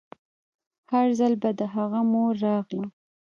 هر ځل به د هغه مور راغله.